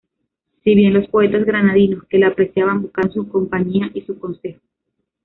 Si bien, los poetas granadinos que la apreciaban, buscaron su compañía y su consejo.